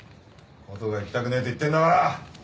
琴が行きたくねえって言ってんだから。